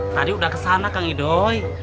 tadi udah kesana kang edoy